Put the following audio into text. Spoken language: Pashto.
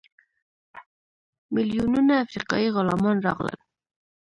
میلیونونه افریقایي غلامان راغلل.